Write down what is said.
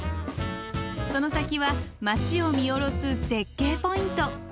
その先は街を見下ろす絶景ポイント。